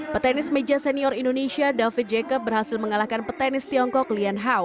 petenis meja senior indonesia david jacob berhasil mengalahkan petenis tiongkok lian hao